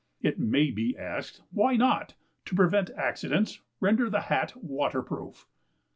It may be asked, why not, to prevent accidents, render the Hat water proof?